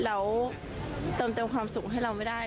แล้วเติมความสุขให้เราไม่ได้